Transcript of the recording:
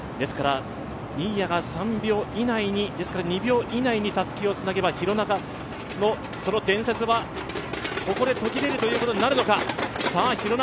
新谷が２秒以内にたすきをつなげば廣中の伝説はここで途切れることになるのか。